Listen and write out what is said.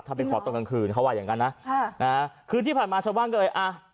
ถ้าไปขอตอนกลางคืนเขาว่าอย่างงั้นนะค่ะนะฮะคืนที่ผ่านมาชาวบ้านก็เลยอ่ะ